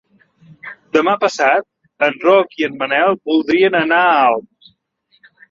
Demà passat en Roc i en Manel voldrien anar a Alp.